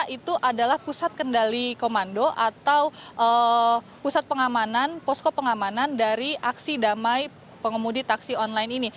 itu adalah pusat kendali komando atau pusat pengamanan posko pengamanan dari aksi damai pengemudi taksi online ini